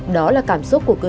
đó là cảm xúc của cư dân